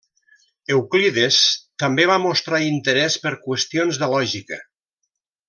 Euclides també va mostrar interès per qüestions de lògica.